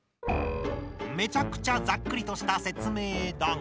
めちゃくちゃざっくりとした説明だが。